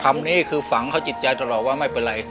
คำนี้คือฝังเข้าจิตใจตลอดว่าไม่เป็นไร